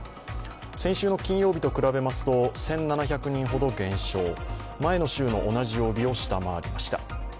先週の金曜日と比べますと１７００人ほど減少、前の週の同じ曜日を下回りました。